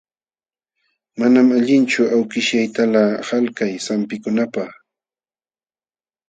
Manam allinchu awkishyaytalaq qalkay sampikunapaq.